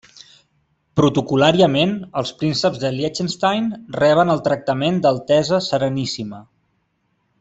Protocol·làriament els prínceps de Liechtenstein reben el tractament d'Altesa Sereníssima.